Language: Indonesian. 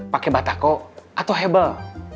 pakai batako atau hebel